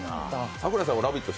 櫻井さんは「ラヴィット！」